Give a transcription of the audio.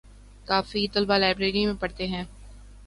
کافی طلبہ لائبریری میں پڑھتے ہیں